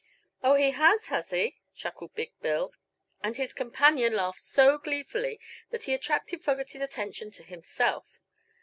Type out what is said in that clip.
"Oh, he has, has he?" chuckled Big Bill, and his companion laughed so gleefully that he attracted Fogerty's attention to himself.